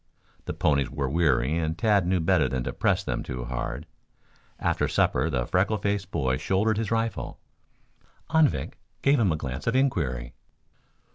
The ponies were weary and Tad knew better than to press them too hard. After supper the freckle faced boy shouldered his rifle. Anvik gave him a glance of inquiry.